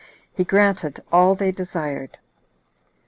He granted all they desired.